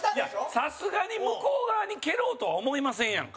さすがに、向こう側に蹴ろうとは思いませんやんか。